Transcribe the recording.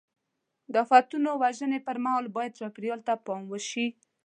د آفتونو وژنې پر مهال باید چاپېریال ته پام وشي.